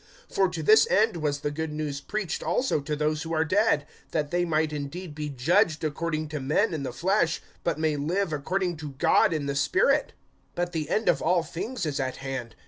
(6)For to this end was the good news preached also to those who are dead, that they might indeed be judged according to men in the flesh, but may live according to God in the spirit. (7)But the end of all things is at hand.